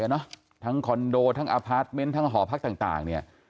ทั้งคอนโดทั้งอพาร์ทเมนต์ทั้งหอพักต่างเนี่ย